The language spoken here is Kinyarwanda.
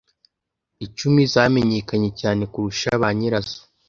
icumi zamenyekanye cyane kurusha ba nyirazo